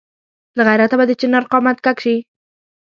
له غیرته به د چنار قامت کږ شي.